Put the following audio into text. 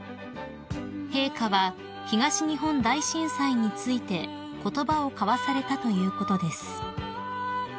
［陛下は東日本大震災について言葉を交わされたということです］